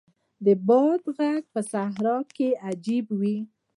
د باد ږغ په صحرا کې عجیب وي.